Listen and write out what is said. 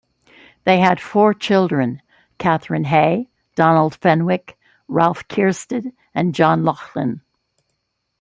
They had four children : Katherine Hay, Donald Fenwick, Ralph Keirstead and John Lauchlan.